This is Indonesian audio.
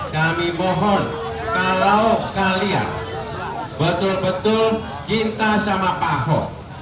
kami mohon kalau kalian betul betul cinta sama pak ahok